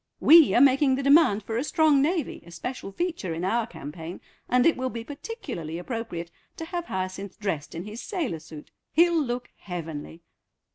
We are making the demand for a strong Navy a special feature in our campaign, and it will be particularly appropriate to have Hyacinth dressed in his sailor suit. He'll look heavenly."